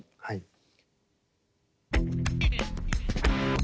はい。